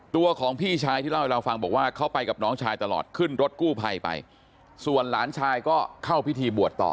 ตัวของพี่ชายที่เล่าให้เราฟังบอกว่าเขาไปกับน้องชายตลอดขึ้นรถกู้ภัยไปส่วนหลานชายก็เข้าพิธีบวชต่อ